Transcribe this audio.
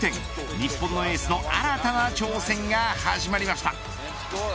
日本のエースの新たな挑戦が始まりました。